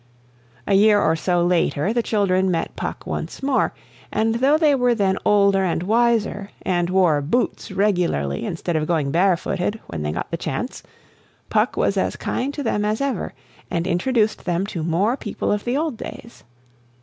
A year or so later, the children met Puck once more, and though they were then older and wiser, and wore boots regularly instead of going barefooted when they got the chance, Puck was as kind to them as ever, and introduced them to more people of the old days.